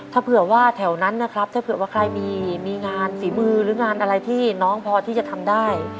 ถ้าเผื่อว่าแถวนั้นนะครับถ้าเผื่อว่าใครมีงานฝีมือหรืองานอะไรที่น้องพอที่จะทำได้